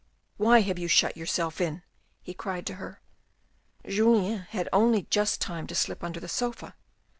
" Why have you shut yourself in ?" he cried to her. Julien had only just time to slip under the sofa.